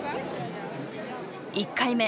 １回目。